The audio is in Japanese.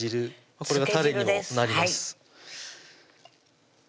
これがたれにもなります